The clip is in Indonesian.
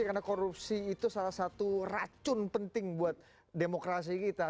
karena korupsi itu salah satu racun penting buat demokrasi kita